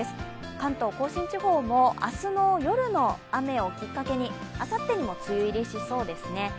関東甲信地方も明日の夜の雨をきっかけに、あさってにも梅雨入りしそうですね。